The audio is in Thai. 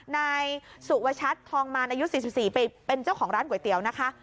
นายสุวชัดทองมารอายุ๔๔ปีเป็นเจ้าของร้านก๋วยเตี๋ยวนะคะ